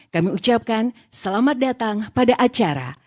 kami ucapkan selamat datang pada acara